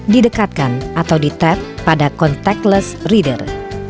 didekatkan atau di tap pada contactless reader